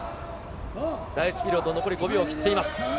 第１ピリオド、残り５秒切っています。